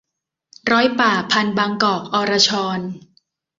ร้อยป่า - พันธุ์ บางกอก-อรชร